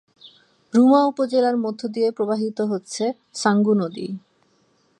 রুমা উপজেলার মধ্য দিয়ে প্রবাহিত হচ্ছে সাঙ্গু নদী।